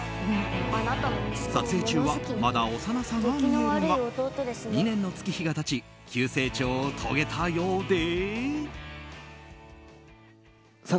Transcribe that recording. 撮影中はまだ幼さが見えるが２年の月日が経ち急成長を遂げたようで。